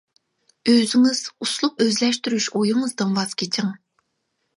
ئۆزىڭىز ئۇسلۇب ئۆزلەشتۈرۈش ئويىڭىزدىن ۋاز كېچىڭ.